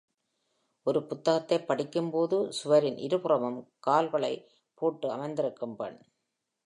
ஒரு புத்தகத்தை படிக்கும்போது சுவரின் இருபுறமும் கால்களை போட்டு அமர்ந்திருக்கும் பெண்.